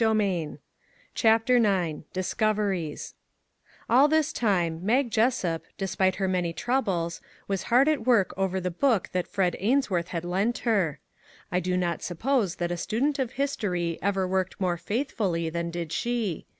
134 CHAPTER IX DISCOVERIES ALL this time Mag Jessup, despite her many troubles, was hard at work over the book that Fred Ainsworth had lent her. I do not suppose that a student of his tory ever worked more faithfully than did she.